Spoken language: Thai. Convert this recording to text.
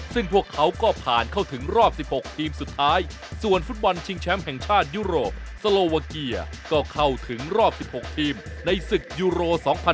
ซึ่งพวกเขาก็ผ่านเข้าถึงรอบ๑๖ทีมสุดท้ายส่วนฟุตบอลชิงแชมป์แห่งชาติยุโรปสโลวาเกียก็เข้าถึงรอบ๑๖ทีมในศึกยูโร๒๐๑๖